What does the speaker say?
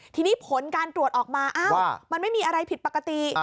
ทีนี้ผลการตรวจออกมามันไม่มีอะไรผิดปกติ